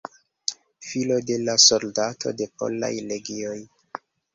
Filo de la soldato de Polaj Legioj.